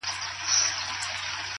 نیکي د انسان تر غیابه هم خبرې کوي؛